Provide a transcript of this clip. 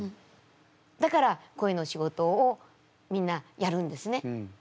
だから声の仕事をみんなやるんですね。